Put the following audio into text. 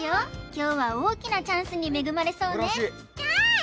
今日は大きなチャンスに恵まれそうねちゃん！